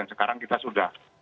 sekarang kita sudah